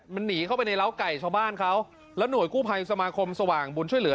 มันหนีเข้าไปในร้าวไก่ชาวบ้านเขาแล้วหน่วยกู้ภัยสมาคมสว่างบุญช่วยเหลือ